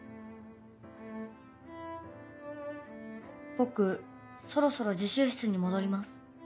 僕そろそろ自習室に戻ります。